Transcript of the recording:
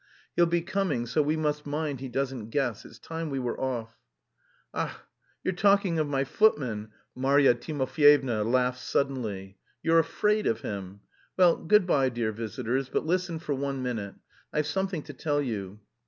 "He'll be coming, so we must mind he doesn't guess. It's time we were off." "Ach, you're talking of my footman," Marya Timofyevna laughed suddenly. "You're afraid of him. Well, good bye, dear visitors, but listen for one minute, I've something to tell you.